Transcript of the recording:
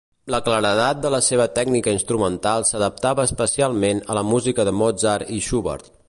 La claredat de la seva tècnica instrumental s'adaptava especialment a la música de Mozart i Schubert.